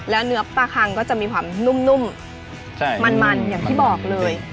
แล้วเนื้อปลาคังก็จะมีความนุ่มมันอย่างที่บอกเลย